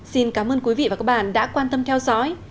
xin cảm ơn quý vị và các bạn đã quan tâm theo dõi